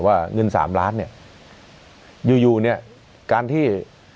ว่าเงิน๓ล้านเนี่ยอยู่อยู่เนี่ยการที่